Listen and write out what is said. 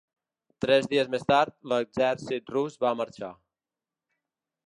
Tres dies més tard, l'exèrcit rus va marxar.